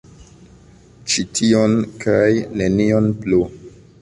Ĉi tion kaj nenion plu!